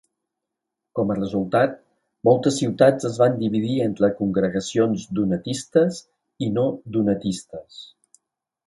Com a resultat, moltes ciutats es van dividir entre congregacions donatistes i no donatistes.